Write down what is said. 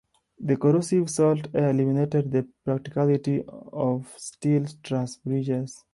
The corrosive salt air eliminated the practicality of steel truss bridges.